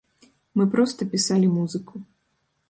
Мы проста пісалі музыку.